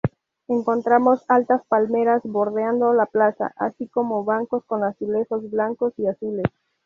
Encontramos altas palmeras bordeando la plaza, así como bancos con azulejos blancos y azules.